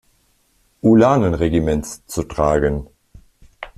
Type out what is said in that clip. Ulanenregiments zu tragen.